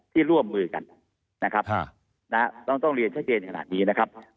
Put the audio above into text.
ร่วมมือกันนะครับต้องเรียนชัดเจนขนาดนี้นะครับ